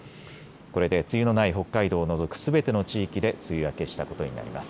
これで梅雨のない北海道を除くすべての地域で梅雨明けしたことになります。